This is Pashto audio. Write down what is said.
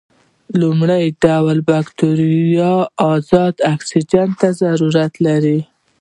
لومړۍ ډله بکټریاوې ازاد اکسیجن ته ضرورت لري.